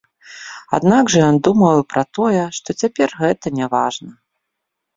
Аднак жа ён думаў і пра тое, што цяпер гэта няважна.